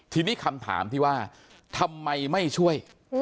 ทีนี้คำถามที่ว่าทำไมไม่ช่วย